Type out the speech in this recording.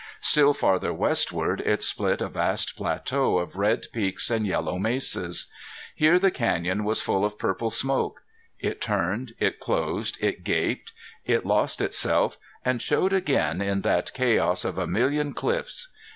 Still farther westward it split a vast plateau of red peaks and yellow mesas. Here the canyon was full of purple smoke. It turned, it closed, it gaped, it lost itself and showed again in that chaos of a million cliffs.